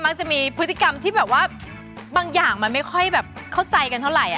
จะมีพฤติกรรมที่แบบว่าบางอย่างมันไม่ค่อยแบบเข้าใจกันเท่าไหร่